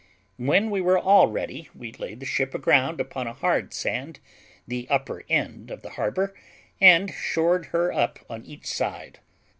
When we were all ready, we laid the ship aground upon a hard sand, the upper end of the harbour, and shored her up on each side.